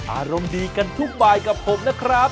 อารมณ์ดีกันทุกบายกับผมนะครับ